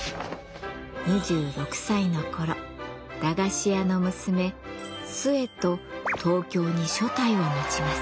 ２６歳の頃駄菓子屋の娘寿衛と東京に所帯を持ちます。